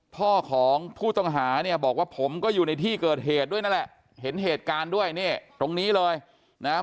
พ่อของผู้ต้องหาเนี่ยบอกว่าผมก็อยู่ในที่เกิดเหตุด้วยนั่นแหละเห็นเหตุการณ์ด้วยเนี่ยตรงนี้เลยนะครับ